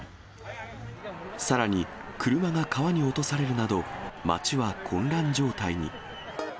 さらに、車が川に落とされるなど、街は混乱状態に。